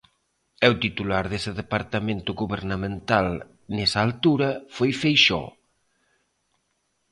E o titular dese departamento gobernamental nesa altura foi Feixóo.